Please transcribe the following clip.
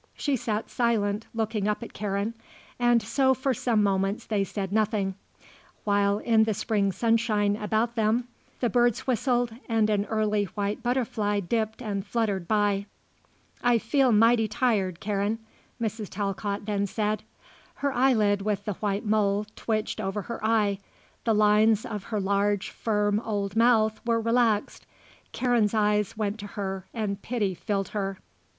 She sat silent, looking up at Karen, and so for some moments they said nothing, while in the spring sunshine about them the birds whistled and an early white butterfly dipped and fluttered by. "I feel mighty tired, Karen," Mrs. Talcott then said. Her eyelid with the white mole twitched over her eye, the lines of her large, firm old mouth were relaxed. Karen's eyes went to her and pity filled her.